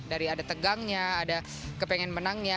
dari ada tegangnya ada kepengen menangnya